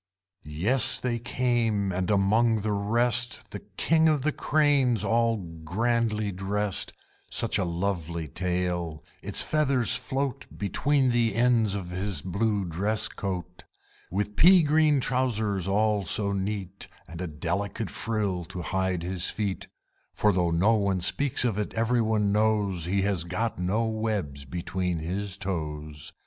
Yes, they came; and among the rest The King of the Cranes all grandly dressed. Such a lovely tail! Its feathers float Between the ends of his blue dress coat; With pea green trowsers all so neat, And a delicate frill to hide his feet (For though no one speaks of it, every one knows He has got no webs between his toes).